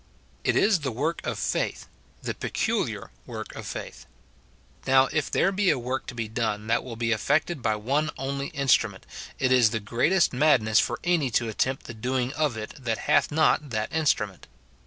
It is the work of faith, the peculiar work of fa.ith. Now, if there be a work to be done that will be effected by one only instrument, it is the greatest madness for any to attempt the doing of it that hath not that instru ment.